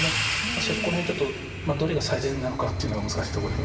しかしこの辺ちょっとどれが最善なのかっていうのは難しいとこです。